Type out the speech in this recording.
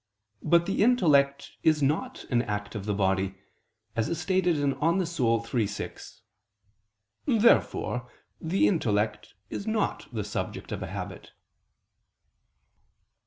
But the intellect is not an act of the body (De Anima iii, text. 6). Therefore the intellect is not the subject of a habit.